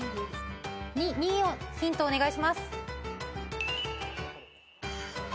２のヒントお願いします。